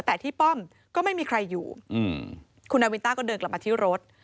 แต่ที่ป้อมก็ไม่มีใครอยู่คุณนาวินต้าก็เดินกลับมาที่รถ